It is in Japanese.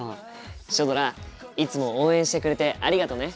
シュドラいつも応援してくれてありがとね。